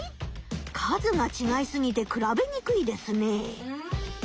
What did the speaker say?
数がちがいすぎて比べにくいですね。